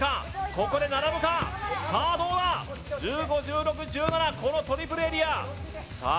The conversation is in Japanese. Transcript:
ここで並ぶかさあどうだ１５・１６・１７このトリプルエリアさあ